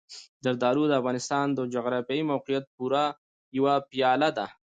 زردالو د افغانستان د جغرافیایي موقیعت پوره یوه پایله ده.